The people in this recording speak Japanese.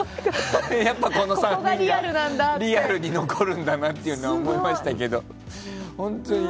やっぱこの３人がリアルに残るんだなと思いましたけど。